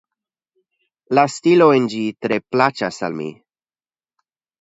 La stilo en ĝi tre plaĉas al mi.